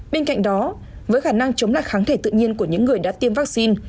bên cạnh đó với khả năng chống lại kháng thể tự nhiên của những người đã tiêm vaccine